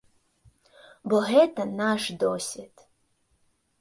Бо гэта наш досвед.